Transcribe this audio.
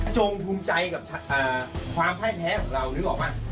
จงภูมิใจกับความไพ้แพ้ของเรานึกออกหรือครับ